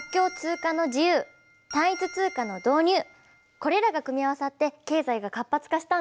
これらが組み合わさって経済が活発化したんですね。